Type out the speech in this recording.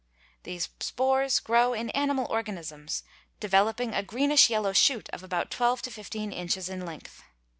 These spores grow in animal organisms, developing a greenish yellow shoot of about twelve to fifteen inches in length.